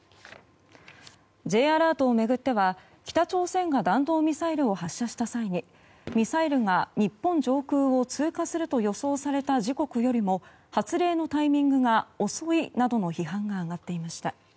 Ｊアラートを巡っては北朝鮮が弾道ミサイルを発射した際にミサイルが日本上空を通過すると予想された時刻よりも発令のタイミングが遅いなどの批判が上がっていました。